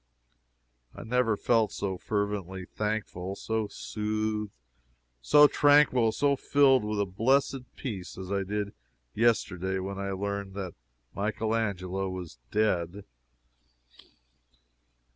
I never felt so fervently thankful, so soothed, so tranquil, so filled with a blessed peace, as I did yesterday when I learned that Michael Angelo was dead.